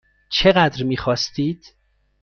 چقدر میخواستید؟